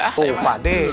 oh pak deh